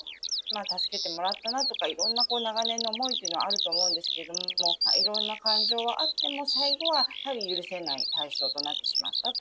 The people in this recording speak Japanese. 助けてもらったなとか、いろんな長年の思いというのはあると思うんですけれども、いろいろな感情はあっても、最後はやはり許せない対象となってしまったと。